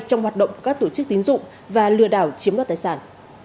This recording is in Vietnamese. trong hoạt động của các tổ chức tín dụng và lừa đảo chiếm đoạt tài sản